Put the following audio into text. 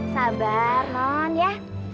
sabar non ya